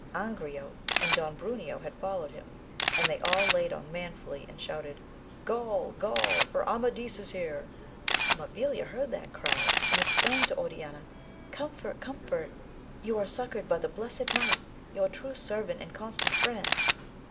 Angriote and Don Bruneo had followed him, and they all laid on manfully and shouted Gaul, Gaul, for Amadis is here ! Mabilia heard that cry, and ex claimed to Oriana — comfort! comfort! you are suc coured by the blessed knight, your true servant and constant friend